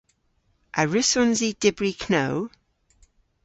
A wrussons i dybri know?